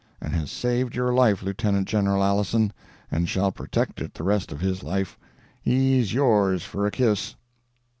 and has saved your life, Lieutenant General Alison, and shall protect it the rest of his life—he's yours for a kiss!